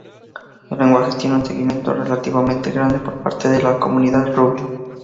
El lenguaje tiene un seguimiento relativamente grande por parte de la comunidad Ruby.